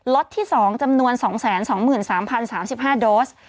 ที่๒จำนวน๒๒๓๐๓๕โดส